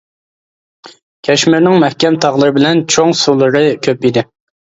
كەشمىرنىڭ مەھكەم تاغلىرى بىلەن چوڭ سۇلىرى كۆپ ئىدى.